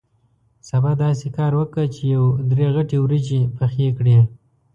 سبا داسې کار وکه چې یو درې غټې وریجې پخې کړې.